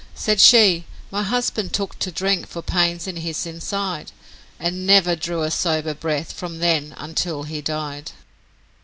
Said she, 'My husband took to drink for pains in his inside, And never drew a sober breath from then until he died.